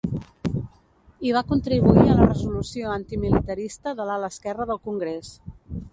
Hi va contribuir a la resolució antimilitarista de l'ala esquerra del congrés.